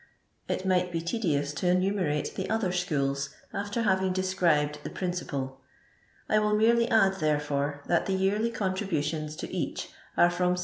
It might be tedious to enumerate the other schools, after having described the principal ; I will merely add, therefore, that the yearly, contributions to each are from 700